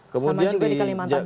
sama juga di kalimantan barat tadi ya